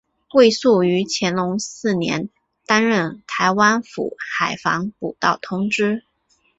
魏素于乾隆四年担任台湾府海防补盗同知。